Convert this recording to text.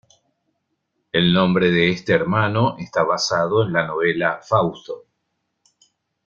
El nombre de este hermano está basado en la novela "Fausto".